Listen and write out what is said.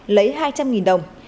lê thanh tấn lấy hai trăm linh đồng